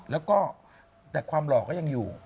แล้วก็แต่ความหล่อก็ยังอยู่